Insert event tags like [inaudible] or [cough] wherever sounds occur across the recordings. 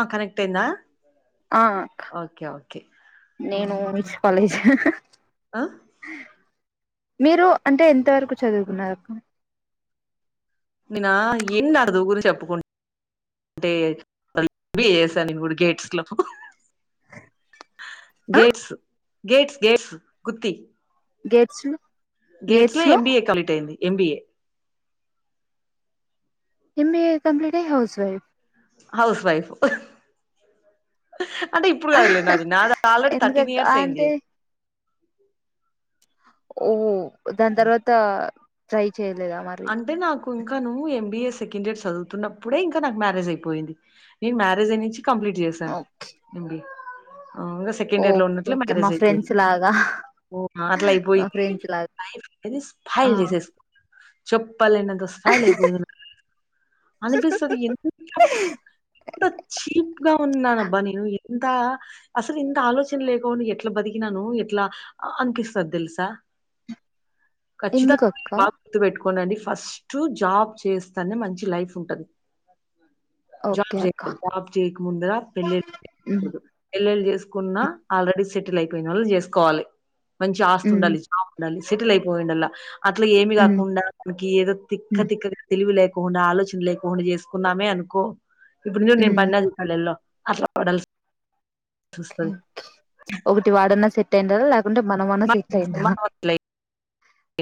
ఆ కనెక్ట్ అయిందా ఆ ఓకే ఓకే నేను ఊహించికోలే ఆ మీరు అంటే ఎంత వరకు చదువుకున్నారు అక్క నిన్న ఎన్ని అడుదు గుల్ చెప్పుకు అంటే అవి ఏసాను నేను కూడా గేట్స్ లో ఆ Gates Gates Gates Gooty Gates చుడు గేట్స్ లో ఎంబీఏ కలీట్ అయింది ఎంబిఏ ఎంబిఏ కంప్లీటయి హౌస్ వైఫ్ హౌస్ వైఫ్ అంటే ఇప్పుడు కాదులే నాది నాది ఆల్రెడీ థర్టీన్ ఎందుకక్క ఇయర్స్ అయింది అంటే ఓ దాని తర్వాత సయి చేయలేదా మరి అంటే నాకు ఇంకా నువ్వు ఎంబీఏ సెకండ్ ఇయర్ చదువుతున్నప్పుడే ఇంకా నాకు మ్యారేజ్ అయిపోయింది నేను మ్యారేజ్ అయినుంచి కంప్లీట్ చేసాను ఎంబిఏ ఇంగా సెకండ్ ఇయర్ లో ఓకే ఉన్నట్లే ఓకే మా మ్యారేజ్ అయిపోంది ఫ్రెండ్స్ లాగా ఓ అట్లా మా అయిపోయింది ఫ్రెండ్స్ లాగా లైఫ్ అనేది ఆ స్పాయిల్ చేసేసుకున్న. చెప్ ప్పలేనంత స్పాయిల్ అయిపోయింది అనిపిస్తది ఎందుకింత ఎంత చీప్ గా ఉన్నాను అబ్బా నేను ఇ ఇంత అసలు ఇంత ఆలోచన లేకోని ఎట్లా బతికినాను ఎట్లా అనిపిస్తాది తెలుసా. ఎందుకు ఖచ్చితంగా అక్క బాగా గుర్తు పెట్టు. కోనండి ఫస్ట్ జాబ్ చేస్తానే మంచి లైఫ్ ఉంటది. జాబ్ ఓకే చే అక్క జాబ్ చేయక ముందర పెళ్లి ఉమ్ పెళ్లిలు చెస్. కున్నా ఆల్రెడీ సెటిల్ అయిపోయినోళ్లను చేసుకోవాలి. మంచి ఆస్తి ఉమ్ ఉండాలి జాబ్ ఉండాలి. సెటిలై. పోయిండల. అట్లా ఏమి ఉమ్ కాకుండా మనకి ఏదో తిక్క ఉమ్ తిక్కగా తెలివి లే. కుండా ఆలోచన లేకుండా చేసుకున్నామే అనుకో. ఇప్పుడు చూడు నేను పడిన ఉమ్ చూసిన లెల్లో అట్లా పడాల్స్ ఒకటి వాడన్నా సెట్ యుండాలి లేక్ ఉంటే మనమన్న సెట్లు అయిదాం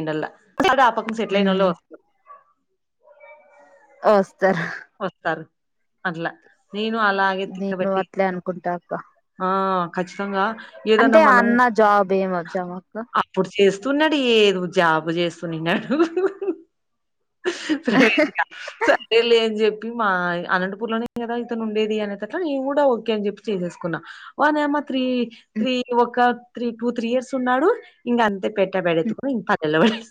డల్ల తప్పకుండా సెట్ల్ అయిన వస్త. వస్. ఓస్తారు. అట్లా. నేను అలాగే తక్క నేను బట్టి అట్లే ఇంట్లో అనుకుంటా అక్క ఆ. ఖచ్చితంగా. అంటే ఏదన్నా మనం అన్న జాబ్ ఏం వచ్చాము అక్క అప్పుడు చేస్తున్నాడు ఏదో జాబు చేస్త. వినడు. ప్రవీగా సరేలే అని చెప్పి. మా అనంతపూర్ లోనే కదా ఇతను ఉండేది అనే తట్ల నేను కూడా ఓకే అని చెప్పి చేసేసుకున్నా ఓరి నీయమ్మ త్రీ త్రీ ఒక త్రీ టూ త్రీ ఇయర్స్ ఉన్నాడు ఇంక అంతే పెట్టబడేత్కుని పల్లెలో పడ్డాడు.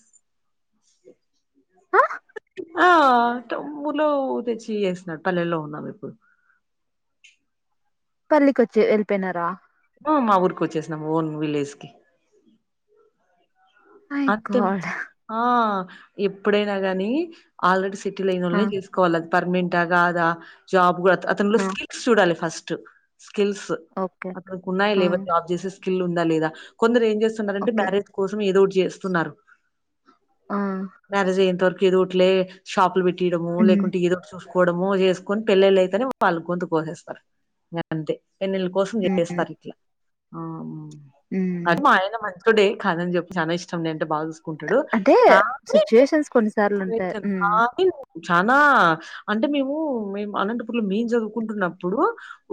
ఆ తమ్ముళ్ళు తెచ్చి చేసినాడు పల్లెల్లో ఉన్నాం ఇప్పుడు. పెళ్లికి వచ్చి వెళ్ళిపోయినారా. ఆ మా ఊరికి వచ్చేస్నాం ఓన్ విలేజ్ కి. మై అంతే గాడ్ ఆ. ఎప్పుడైనా గానీ ఆల్రెడీ తిట్లు లేనోల్లే తీసుకోవల్ల అది పర్మినెంటా గాదా జాబ్ కూడ అతనులో స్కిల్స్ చూడాలి ఫస్ట్ ట్ స్కిల్స్ ఓకే అతనికి ఉన్నాయ లేవా జాబ్ చేసే స్కిల్ ఉందా లేదా కొందరేం చేస్తున్నారంటే ఓకే మ్యారజ్ కోసం ఏదో ఒకటి తున్నారు మ్యారేజ్ అయ్యేంత వరకు ఏదోఓట్లే షాపులు పెట్టి డము లేకుంటే ఏదో ఒకటి చూసు సుకోవడము చేసుకొని పెళ్లళ్లు అయితేనే వాళ్ళు గొంతు కోసేస్తారు ఇంగ అంతే పెళ్లిళ్ల కోసం చేస్తారు ఇట్ల ఆ అదే మాఆయన మంచి టుడే కాదని చెప్పు చానా ఐష్ చంనే అంటే బాగ చు కుంటాడు అంటే కానీ సిచ్యుయేషన్స్ కొన్నిసార్లు ఉంటాయి వేచన్ కానీ చానా అంటే మేము మేము అనంటపూర్ లో మేమ్ చదువుకుంటున్నప్పుడు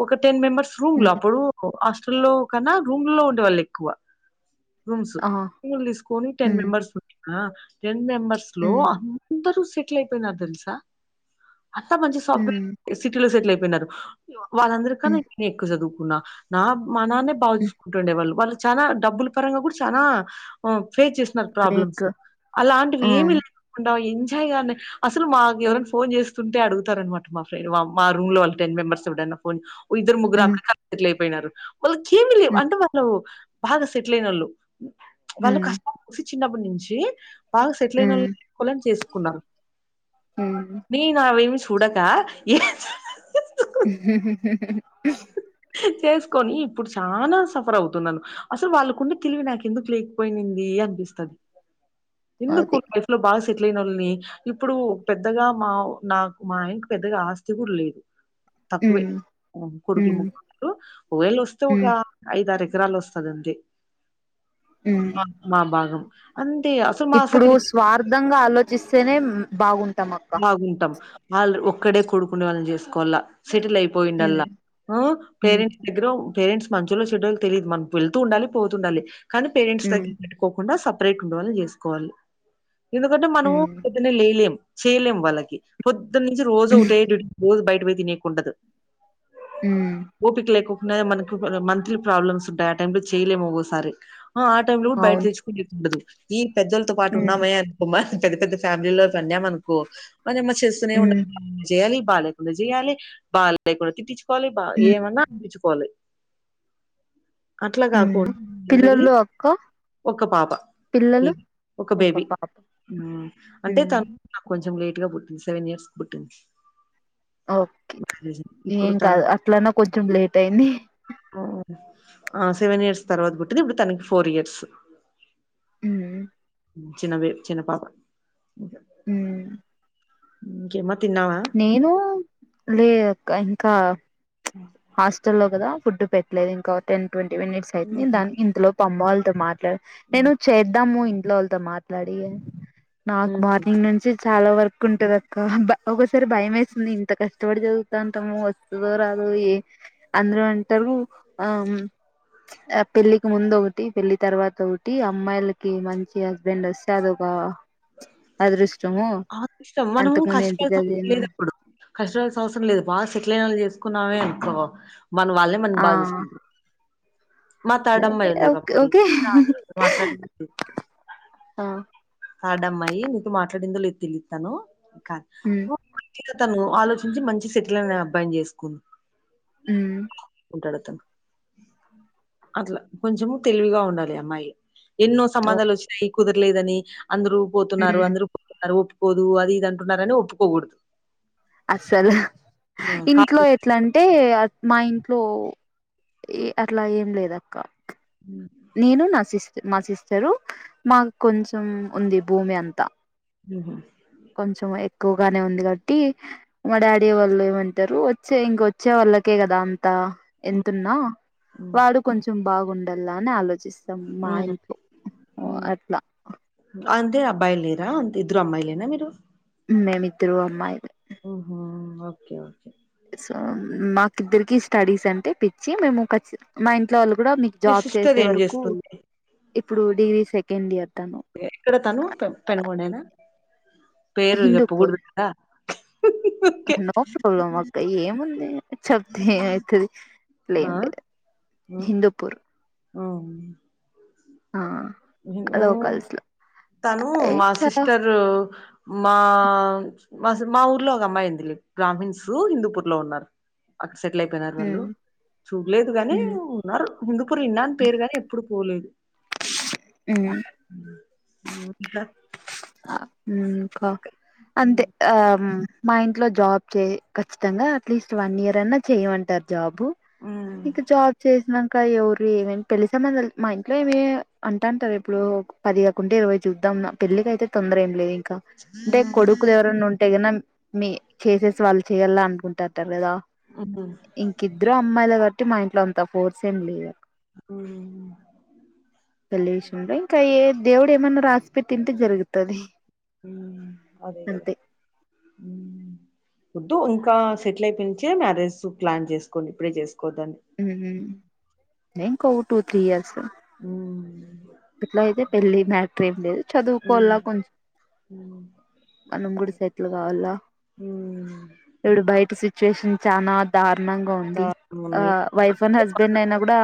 ఒక టెన్ మెంబర్స్ రూమ్ లో అప్పుడు హాస్ హస్టల్లో కన్నా రూమ్లో ఉండే వాళ్ళు ఎక్కువ రూమ్స్ రూములు తీస్ ఓన్లీ టెన్ మెంబర్సు ఆ టెన్ మెంబర్స్ లో అందరూ సెటిల్ అయిపోయినార్ తెలుసా అంత మంచి సాఫ్ట్వేర్ సిటీలో సెటిల్ అయి వినరు వాళ్ళందరి కన్న ఇదే ఎక్కువ చదువు గున్నా నా మానాన్నే బాగ చూసుకుంటుండె వాళ్ళు వాళ్ళు చానా డబ్బుల పరంగ కూడా చానా ఆ ఫేస్ చేసినారు ప్రాబ్లమ్స్ బ్రేక్ అలాంటివి ఏమి లేకుండా అంటే ఇగ అసలు మాకు ఎవరైన ఫోన్ చేస్తుంటే అడుగుతార అనమాట మా ఫ్రెండ్ మా రూమ్ లో వాళ్ళు టెన్ మెంబర్స్ ఎపుడన్నా ఫోన్ ఇద్దరు ముగ్గురు అమెరికా లొ సెటిల్ అయిపొయినారు వాళ్ళ కేమి లేవు అంటే వాళ్ళు బాగా సెటిల్ అయినోళ్లు వాళ్ళ క చిన్నప్పటి నుంచి బాగా సెటిల్ అయినోళ్ళని చేసుకున్నారు నే నా వే చూడక ఏ చేసుకొని ఇప్పుడు చానా సఫర్ అవుతున్నాను అసలు వాళ్ళకుండే తెలివి నాకు ఎందుకు లేకపోయినింది అనిపిస్తది ఎందుకు అది లైఫ్ లో బాగా సెటిల్ సెటిల్ అయినోళ్లని ఇప్పుడు పెద్దగా మా నాకు మా ఆయన కి పెద్దగా ఆస్తి గూడా లేదు తక్కువే కొడుకులు ముగ్గురు ఒకవేళ వస్తే ఒక ఐదారె ఎకరాలు వస్తదంతే మా భాగం అంతే అసలు మా ఇప్పుడు సైడ్ స్వార్థంగా ఆలోచిస్తేనే బాగుంటా బాగుంటాం వాళ్ళు ఒక్కడే కొడుకుండే వాళ్ళని చేసుకోవాల సెటిల్ అయిపోయిండాల ఉమ్ ఊ ఉమ్ పేరెంట్స్ దగ్గర పేరెంట్స్ మంచోళ్ళు చెడ్డోళ్ళు తెలీద్ మాక్ వెళ్తు ఉండాలి పోతుండాలి కానీ పేరెంట్స్ ఉమ్ దగ్గర పెట్టుకోకుండా సప్ [unintelligible] ఉండేవాళ్ళని చేసుకోవాలి ఎందుకంటే మనము ఉమ్ పొద్దున్నే లేయలేం చేయలేం వాళ్ళకి పొద్ దునుంచి రోజు ఉమ్ ఒకటే [unintelligible] బై అవే తినేకి ఉండదు ఉమ్ ఓపిక లేకు [unintelligible] మనకి మంత్లీ ప్రాబ్లమ్స్ ఉంటాయి ఆ టైం లో చేయలేము ఒకోసారి ఆ ఆటైమ్ లో కూడా బయట అవును తెచ్చుకునేకి ఉండదు ఈన్ పెద్దోల్తో పాటు ఉమ్ ఉన్నామే అనుకోమ పెద్ద పెద్ద ఫ్యామిలీల్లో [unintelligible] ఓ మాదేమో చేస్సూనే ఉమ్ ఉంటది జేయాలి బాలేకున్న జేయాలి బాగలేకున్న తిట్టిచ్ పల బా ఉమ్ ఏమన్నా అ పోలే అట్లా ఉమ్ కాకుడా ఆల్రెడీ పిల్లలు అక్క ఒక పాప పిల్లలు ఒక బేబీ అంటే ఉమ్ తను కొంచెం లేట్గా పుట్టింది సెవన్ ఇయర్స్ కి పుట్టింది ఓకే మ్యారేజ్ ఇప్పుడు ఏం కాదు అట్లన్నా కొంచెం లేట్ లేట్ అయింది ఆ సెవెన్ ఇయర్స్ తర్వాత పుట్టింది ఇప్పుడు తనకి ఫోర్ ఇయర్స్ ఊ చిన్న బేబీ చిన్న పాప ఊ ఇంకే మన్నా నేను లేదక్కా ఇంకా హాస్టల్లో కదా ఫుడ్ పెట్టలేదు ఇంకో టెన్ ట్వంటీ మినిట్స్ అయితుంది దానికి ఇంతవరకు అమ్మవాళ్ళు త మా నేను చేద్దాము ఇంట్లో వాళ్లతో మాట్లాడి నాకు మార్నింగ్ నుంచి చాలా వర్క్ ఉంటదక్క బా ఒకోసారి భయం వేస్తుంది, ఇంత కష్టపడి చదువుతాంటాము వస్తదో రాదో, ఏ అందరూ అంటారు ఆ పెళ్ళికి ముందు ఒకటి పెళ్లి తర్వాత ఒకటి అమ్మాయిలకి మంచి హస్బెండ్ వస్తే అదొక అదృష్టము, అంతకు ముందు చదివిన లేదేప్పుడు, కష్టాల్సిన అవసరం లేదు బా షేట్లైనోలు చేసుకుం నావే అనుకొ మన వాళ్ళే మనకి ఆ బాగాచూసుకుంట్రు, మా తాడమ్మాయి ఉంది ఒక ఓకే అమ్మాయి, ఓకే మాట్లాడి ఆ అడం అమ్మాయి నీతో మాట్లాడిందో లేద్ తెలిద్ తను క ఉమ్ ఇక తను ఆలోచించి మంచి సెటిల్ అయిన అబ్బాయిని చేసుకుం ఉమ్ ఉంటాడతను, అట్లా కొంచము తెలివిగా ఉండాలి ఈ అమ్మాయి ఎన్నో ఓ సంబంధాలు వచ్చినాయ్ కుదురలేదని అందరు పోతున్నారు ఉమ్ అందరు పోతున్నరు పోదు అది ఇది అంటున్నారని ఒప్పుకోకూడదు అస్సలు, ఇంట్లో కాదు ఎట్లంటే మా ఇంట్లో ఏ అట్లా ఏం లేదక్క నేను నా సిస్ట్ మా సిస్ చరు, మాకు కొంచెం ఉంది భూమి అంతా ఊహు కొంచెం ఎక్కువగానే ఉంది కాబట్టి మా డాడీ వాళ్ళు ఏమంటారు వచ్చే ఇంకొచ్చే వాళ్ళకే కదా అంత, ఎంతున్నా ఉమ్ వాడు కొంచెం బాగుండాలా అని ఆలోచిస్ మ్ మాయన్కు మ్ అట్లా అంటే అబ్బాయిలు లేరా, ఇద్దరు అమ్మాయిలేనా మీరు మేమిద్దరు అమ్మాయిలే ఓహో, ఒకే ఓకే ఆ మాకిద్దరికి స్టడీస్ అంటే పిచ్చి మేము ఖచ్చి మా ఇంట్లో వాళ్ళు కూడా మీకు మీ జాబ్ సిస్టర్ చేసే ఏం వరకు చేస్తుంది ఇప్పుడు డిగ్రీ సెకండ్ ఇయర్ తను ఎక్కడ తను పెనుగొండేనా పేరు హిందూపూర్ చెప్పకూడదు గదా నో ప్రాబ్లం అక్క ఏముంది చెప్తే ఏం అయితది అలా ఆ ఏం లేదు హిందూపూర్ అవును ఆ ఉమ్ లోకల్స్ లో తను అయి మా చాలా సిస్టర్ మా మా మా ఊర్లో ఒక అమ్మాయుంది లే బ్రామీణ్స్ హిందూపూర్ లో ఉన్నారు సెటిల్ అయిపోయినారు వాళ్ళు, ఉమ్ చూడలేదు కాని ఉమ్ ఉన్నారు హిందుపుర్ విన్నాను పేరు కాని ఎప్పుడు పోలేదు ఉమ్ హ్మ్మ్ హ్మ్మ్ హ్మ్మ్ ఇంకా ఆ హ్మ్మ్ క అంతే హ్మ్. ఆ మ్మ్ మా ఇంట్లో జాబ్ చేయ ఖచ్చితంగా అట్లీస్ట్ వన్ ఇయర్ అన్నా చేయమంటారు జాబ్ బ్బ హ్మ్. ఇక జాబ్ చేసినంత ఇంకా ఎవరు ఏం ఏం పెళ్ళి సంబందాలు మా ఇంట్లో ఏమి అంటు అంటారు ఇప్పుడు పదిగాకుంటే ఇరవై చూద్దాం పెళ్ళకి అయితే తొందర ఏం లే అంటే హ్మ్. కొడుకులు ఎవరైనా ఉంటే గిన మే చేసేసి వాళ్ళు చెయ్యాల అనుకుంటుంటారు [unintelligible] హ్మ్. ఇంకింద్దరం అమ్మాయిలు కాబట్టి మా ఇంట్లో అంత ఫోర్స్ ఏం లేదు హ్మ్. పెళ్లి చేసుకుంటే ఇంకా ఏం దేవుడు ఏమన్నా రాసి పెట్టింటే జరుగు తది హ్మ్మ్ అదేగద హ్మ్మ్ వొద్దు ఇంకా సెటిల్ అయిపోయించే మ్యారేజ్ ప్లాన్ చేసుకోండి ఇప్పుడే చేస్ హ్మ్మ్ నేను ఇంకో టూ త్రీ ఇయర్స్ హ్మ్మ్ ఇప్పుడైతే పెళ్లి మ్యాటర్ ఏం లేదు చదువుకోలా కొంచం మనం గుడిసై అట్లు కావాల ఇప్పుడు బయట సిట్యు యేషన్ చానా దార్ ణంగా ఉంది ఆ ఉన్నాయి వైఫ్ అండ్ హస్బెండ్ అయినా కూడా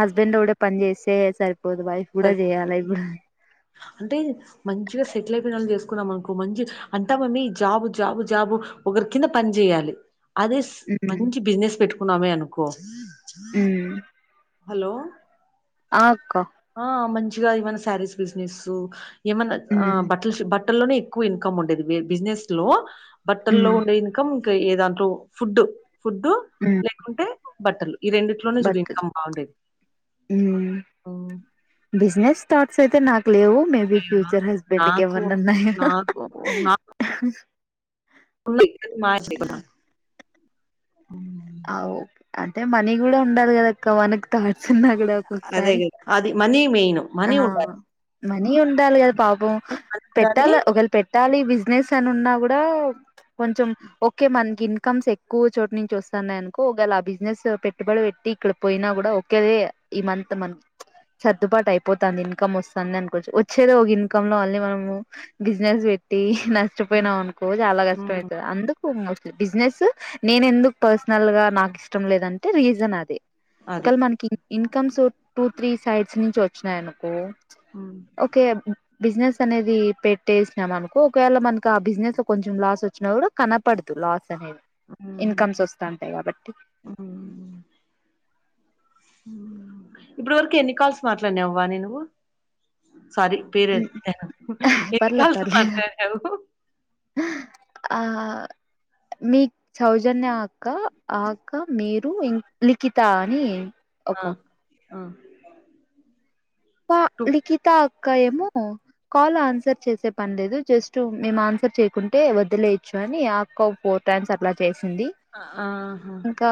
హస్బెండ్ ఒకడే పని చేసి ఎ సరి పోదు వైఫ్ కూడా సరే చేయాలి ఇప్పుడు అంటే మంచిగా సెటిల్ అయిపోయిన వాళ్ళు చేసుకున్నాం అనుకో మంచి అంటా జాబు జాబు జాబు ఒకరి కింద పని చేయాలి. అదే ఉమ్ మంచి బిజినెస్ పెట్టు కునామే అనుకో హ ఉమ్ హలో ఆ అక్క ఆ మంచిగా ఏమైనా శారీస్ బిజినెస్ ఏమన్నా ఉమ్ బట్టలు బట్ లోనే ఎక్కువ ఇన్కమ్ ఉండేది బిజినెస్ లో బట్టల్లో ఉమ్ ఉండే ఇనకం ఏదాంటూ ఫుడ్ ఫుడ్డు ఉమ్ లేకుంటే బట్టలు ఈ రెండిట్లోనే చూడి బట్ ఇన్కమ్ బాగుండేది ఉమ్ బిజినెస్ తర్ట్స్ అయితే నాక లేవు మే బ అయ్యో, ఫ్యూచర్ హస్బెండ్ క నాకు వర్ననన్నా నాకు ఉ మాచ ఓకే అంటే మనీ కూడా ఉండాలి కదా అక్క మనకు తట్స్ అదే అది మనీ మెయిన్ మనీ ఉండాలి ని ఉండాలీగ్ పాపం మనీ ఉండాలి పెట్టాల ఒకల పెట్టాలి విజ నేసాను ఉన్నా కూడా కొంచెం ఓకే మనకి ఇన్కమ్స్ ఎక్కువ చోటు నుంచి వస్తయి వస్తున్నాయినుకో ఒకేళ ఆ బిజినెస్ పెట్టుబడి పెట్టి ఇక్కడ పోయినా కూడా ఒకేలే ఈ మంత్ మనకి సర్దుబాటు అయిపోతుంది ఇన్కమ్ వస్తుంది. అనుకోచ్చు వచ్చేది ఒక ఇన్కమ్ లో అ మనము బిజినెస్ పెట్టి నష్టపోయినాం అనుకో చాలా ఉమ్, కష్టమైతది అందుకు బిజినెస్ నేను ఎందుకు పర్సనల్ గా నాకు ఇష్టం లేదంటే రీజన్ అదే అది ఒకళ మనకి ఇన్కమ్సు టూ త్రీ సైడ్స్ నుంచి అనుకో ఉమ్, ఓకే. బిజినెస్ అనేది పెట్టేసినాం అనుకో ఒకవేళ మనకి ఆ బిజినెస్ లో కొంచెం లాస్ వచ్చినా కూడా కనపడదు లాస్ ఎందు ఉమ్, కమ్స్ వస్తంటాయి కాబట్టి. ఇప్పటి వరకు ఎన్ని కాల్స్ మాట్లాడినావ్వా వాణి నువ్వు సారీ పేరు పెట్టిన ఎన్ని పర్లేదు కాల్స్ పర్లేదు మాట్లాడినావు. ఆ మీ సౌజన్య అక్క. ఆ అక్క మీరు ఇ లిఖిత అని. ఒక ఆ ఆ త టు లిఖిత అ ఇక్క ఏమో కాల్ ఆన్సర్ చేసే పనిలేదు. జస్ట్ మేము ఆన్సర్ చేయకుంటే వదిలేయచ్చు అని అక్క ఫోర్టైమ్స్ అట్లా చేసి ఉంది ఆహా ఇంకా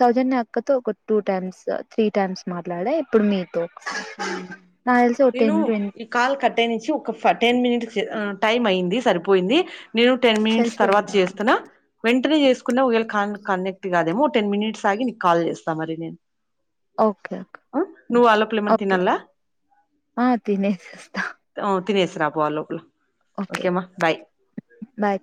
సౌజన్య అక్కతో ఒక టూ టైమ్స్, త్రీ టైమ్స్ మాట్లాడ ఇప్పుడు మీతో. నాకు తెలిసి ఒక నేను టెన్ ట్వం ఈ కాల్ కట్టే నుంచి ఒక టెన్ మినిట్స్ టైమ్ అయింది సరిపోయింది నేను టెన్ మినిట్స్ తర్వాత సరిపోయిందా చేస్తున్నా కంటిన్యూ చేసుకున్నా ఒకవేళ కాల్ కనెక్ట్ కాదేమో టెన్ మినిట్ ఆగి నీకు కాల్ చేస్తాను మరి నేను ఓకే ఓకే ఆ నువ్వు ఆలోపల ప ఓకే ఆ తినేసిస్తా. తినేసి రాపో ఆ లోపల ఓకే అమ్మ బాయ్. బాయ్